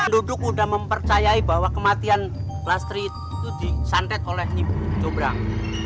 duduk udah mempercayai bahwa kematian plastri disantet oleh nibu cobrang